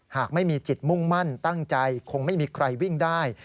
หากไม่มีจิตมุ่งมั่นตั้งใจคงไม่มีใครวิ่งได้